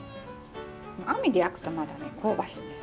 網で焼くとまたね香ばしいんです。